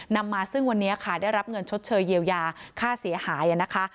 นำมาซึ่งวันนี้ค่ะได้รับเงินชดเชยเยียวยาค่าเสียหายนะคะ